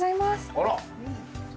あら。